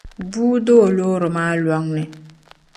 Bua do a loori maa lɔŋni